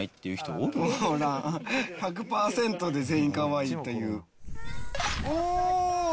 おらん、１００％で全員かわいいと言う。